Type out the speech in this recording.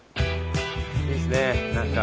いいですね何か。